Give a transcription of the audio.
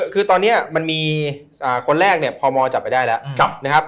คือตอนนี้คนแรกพอมอจับไปได้แล้ว